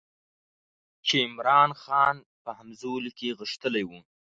چې عمرا خان په همزولو کې غښتلی وو.